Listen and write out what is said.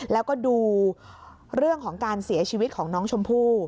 แล้วก็ดูเรื่องของการเสียชีวิตของน้องชมพู่